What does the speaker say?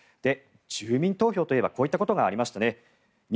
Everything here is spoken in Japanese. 住民投票といえばこういったことがありましたね。